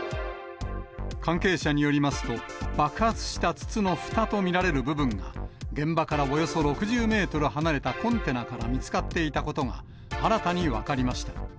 関係者によりますと、爆発した筒のふたと見られる部分が、現場からおよそ６０メートル離れたコンテナが見つかっていたことが、新たに分かりました。